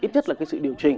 ít nhất là cái sự điều chỉnh